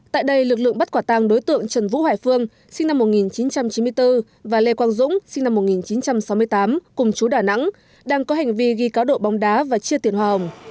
tại đây lực lượng bắt quả tăng đối tượng trần vũ hải phương sinh năm một nghìn chín trăm chín mươi bốn và lê quang dũng sinh năm một nghìn chín trăm sáu mươi tám cùng chú đà nẵng đang có hành vi ghi cá độ bóng đá và chia tiền hoa hồng